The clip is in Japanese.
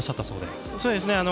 そうですね。